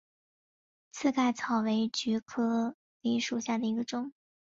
刺盖草为菊科蓟属下的一个种。